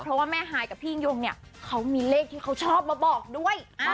เพราะว่าแม่ฮายกับพี่ยิ่งยงเนี่ยเขามีเลขที่เขาชอบมาบอกด้วย